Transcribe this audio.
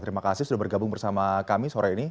terima kasih sudah bergabung bersama kami sore ini